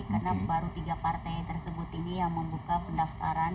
karena baru tiga partai tersebut ini yang membuka pendaftaran